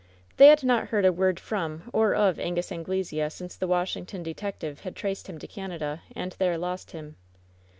They had heard not a word from or of Angus Angle sea since the Washington detective had traced him to Canada, and there lost him.